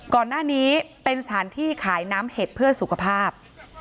ก่อนหน้านี้เป็นสถานที่ขายน้ำเห็ดเพื่อสุขภาพ